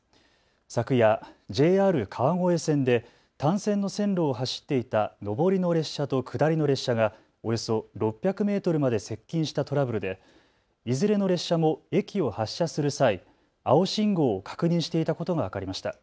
昨夜、ＪＲ川越線で単線の線路を走っていた上りの列車と下りの列車がおよそ６００メートルまで接近したトラブルでいずれの列車も駅を発車する際、青信号を確認していたことが分かりました。